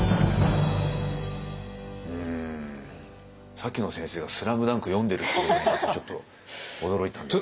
さっきの先生が「ＳＬＡＭＤＵＮＫ」読んでるっていうのもちょっと驚いたんですけど。